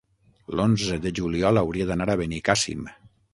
L'onze de juliol hauria d'anar a Benicàssim.